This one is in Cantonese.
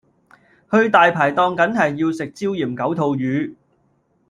去大牌檔緊係要食椒鹽九肚魚